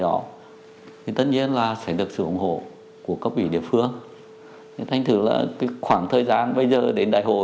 đó là sức ép nhưng mà sức ép khữ